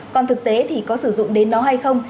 còn thực tế thì có sử dụng đến nó hay không